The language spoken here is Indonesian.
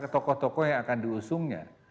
tokoh tokoh yang akan diusungnya